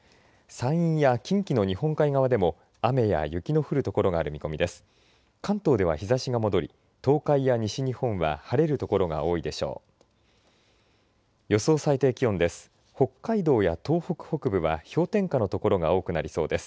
山陰や近畿の日本海側でも雨や雪の降る所がある見込みです。